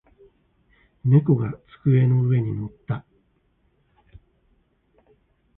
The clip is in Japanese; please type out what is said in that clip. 猫が机の上に乗った。